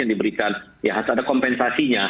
yang diberikan ya harus ada kompensasinya